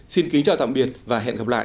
xin kính chào tạm biệt và hẹn gặp lại